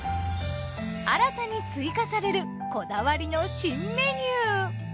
新たに追加されるこだわりの新メニュー。